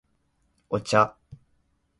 お茶